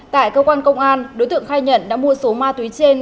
tại cơ quan công an đối tượng khai nhận đã mua số ma túy trên